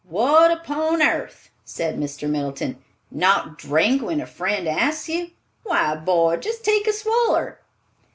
"What upon airth!" said Mr. Middleton, "not drink when a friend asks you? Why, boy, just take a swaller."